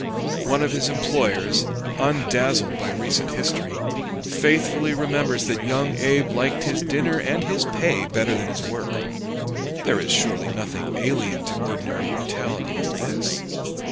One of his employers, undazzled by recent history, faithfully remembers that young Abe liked his dinner and his pay better than his work: there is surely nothing alien to ordinary mortality in this.